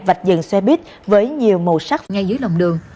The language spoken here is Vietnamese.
vạch dừng xe buýt với nhiều màu sắc ngay dưới lòng đường